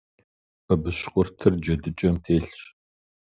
Бабыщкъуртыр джэдыкӏэм телъщ.